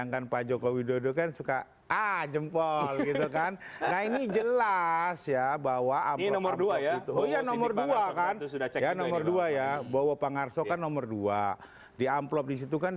kalau dana itu bang